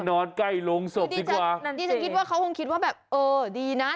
นอนยาวดีกว่าสบายใจ